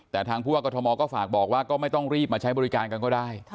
แต่ทางผู้ว่ากรทมก็ฝากบอกว่าก็ไม่ต้องรีบมาใช้บริการกันก็ได้